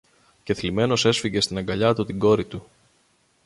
και θλιμμένος έσφιγγε στην αγκαλιά του την κόρη του